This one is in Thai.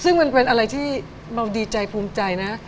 ซึ่งมันเป็นอะไรที่เราดีใจภูมิใจนะ